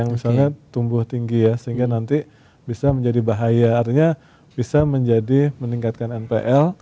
misalnya tumbuh tinggi ya sehingga nanti bisa menjadi bahaya artinya bisa menjadi meningkatkan npl